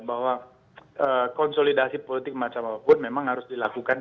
bahwa konsolidasi politik macam apapun memang harus dilakukan